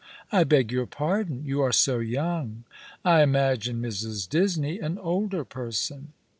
" I beg your pardon. Y"ou are so young. I imagined Mrs. Disney an older person."